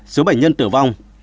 ba số bệnh nhân tử vong